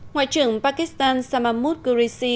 ngoại trưởng pakistan samamud gureysi